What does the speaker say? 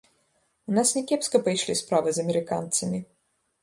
У нас някепска пайшлі справы з амерыканцамі.